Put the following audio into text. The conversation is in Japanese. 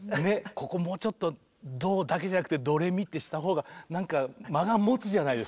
ここもうちょっとドだけじゃなくてドレミってしたほうがなんか間がもつじゃないですか。